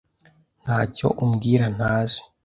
Ntacyo umbwira ntazi.